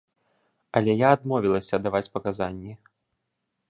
Але я адмовілася даваць паказанні.